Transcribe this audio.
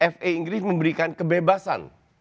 fi inggris memberikan kebebasan